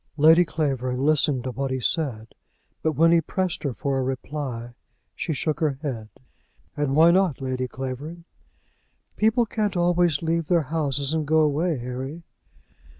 Lady Clavering listened to what he said, but when he pressed her for a reply she shook her head. "And why not, Lady Clavering?" "People can't always leave their houses and go away, Harry."